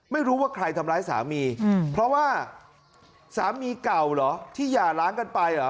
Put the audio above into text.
ไม่รู้ว่าใครทำร้ายสามีเพราะว่าสามีเก่าเหรอที่หย่าล้างกันไปเหรอ